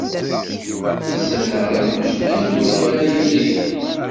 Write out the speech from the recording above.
Isalaɣen mačči kan d wagi ara yilin.